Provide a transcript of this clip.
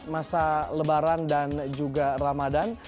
masa lebaran dan juga ramadan